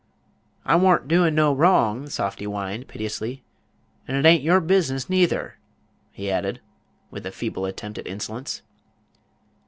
"I warn't doin' no wrong," the softy whined, piteously; "and it a'n't your business neither," he added, with a feeble attempt at insolence.